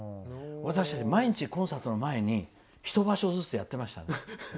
私ね、毎日コンサートの前にひと場所ずつやってましたね。